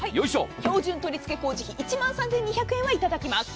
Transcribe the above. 標準取付工事費１万３２００円は頂きます。